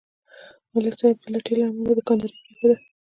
ملک صاحب د لټۍ له امله دوکانداري پرېښوده.